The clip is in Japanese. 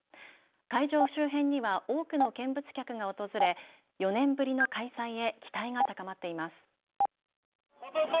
会場周辺には多くの見物客が訪れ４年ぶりの開催へ期待が高まっています。